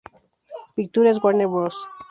Pictures, Warner Bros.